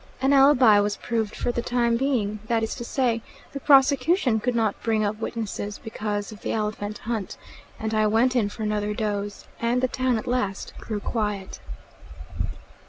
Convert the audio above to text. An alibi was proved for the time being; that is to say the prosecution could not bring up witnesses because of the elephant hunt; and I went in for another doze, and the town at last grew quiet.